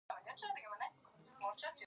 کرهڼه ولې مهمه ده؟